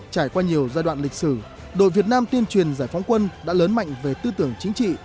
trải qua nhiều giai đoạn lịch sử đội việt nam tuyên truyền giải phóng quân đã lớn mạnh về tư tưởng chính trị